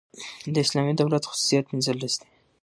د اسلامي دولت خصوصیات پنځلس دي.